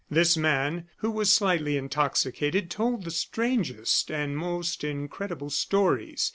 This man, who was slightly intoxicated, told the strangest and most incredible stories.